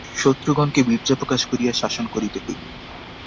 শত্রুগণকে বীর্যপ্রকাশ করিয়া শাসন করিতে হইবে।